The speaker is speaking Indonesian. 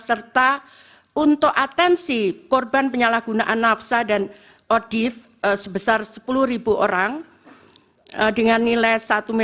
serta untuk atensi korban penyalahgunaan nafsa dan oddif sebesar sepuluh ribu orang dengan nilai satu tujuh ratus enam dua ratus lima puluh